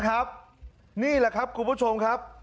นี่แหละครับคุณผู้ชมครับ